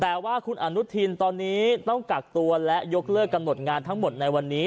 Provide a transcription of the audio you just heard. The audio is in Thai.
แต่ว่าคุณอนุทินตอนนี้ต้องกักตัวและยกเลิกกำหนดงานทั้งหมดในวันนี้